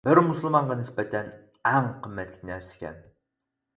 بىر مۇسۇلمانغا نىسبەتەن ئەڭ قىممەتلىك نەرسىكەن.